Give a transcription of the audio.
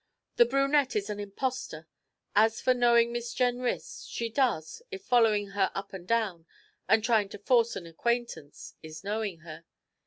That brunette is an impostor. As for knowing Miss Jenrys, she does, if following her up and down, and trying to force an acquaintance, is knowing her.